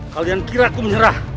kalian kira aku menyerah